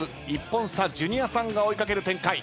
１本差ジュニアさんが追い掛ける展開。